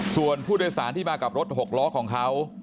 ส่วนผู้โดยสารที่มากับรถหกล้อของเขา